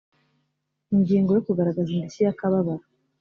ingingo ya kugaragaza indishyi yakababaro